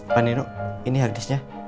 pak nino ini harddisknya